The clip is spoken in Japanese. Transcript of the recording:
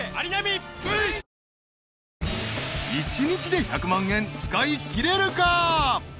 ［１日で１００万円使いきれるか？］